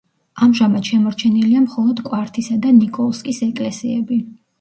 ამჟამად შემორჩენილია მხოლოდ კვართისა და ნიკოლსკის ეკლესიები.